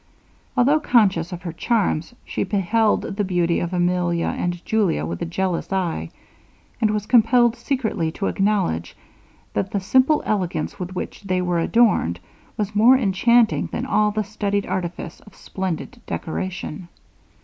Although conscious of her charms, she beheld the beauty of Emilia and Julia with a jealous eye, and was compelled secretly to acknowledge, that the simple elegance with which they were adorned, was more enchanting than all the studied artifice of splendid decoration.